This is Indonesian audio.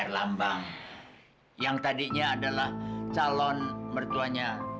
sampai jumpa di video selanjutnya